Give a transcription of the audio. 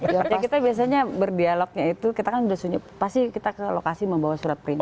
jadi kita biasanya berdialognya itu kita kan sudah sunyi pasti kita ke lokasi membawa surat perintah